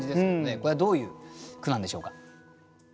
これはどういう句なんでしょうか？